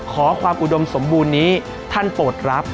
ขอความอุดมสมบูรณ์นี้ท่านโปรดรับ